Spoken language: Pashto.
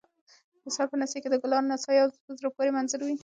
د سهار په نسي کې د ګلانو نڅا یو په زړه پورې منظر وي